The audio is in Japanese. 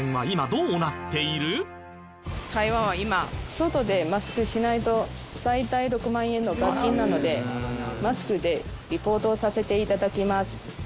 台湾は今外でマスクしないと最大６万円の罰金なのでマスクでリポートをさせて頂きます。